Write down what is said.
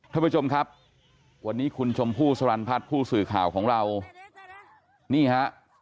ท่านผู้ชมครับวันนี้คุณชมพู่สรรพัฒน์ผู้สื่อข่าวของเรานี่ฮะ